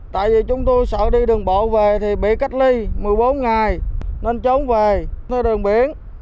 tại vì chúng tôi sợ đi đường bộ về thì bị cách ly một mươi bốn ngày nên trốn về đường biển